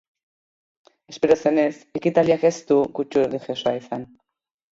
Espero zenez, ekitaldiak ez du kutsu erlijiosoa izan.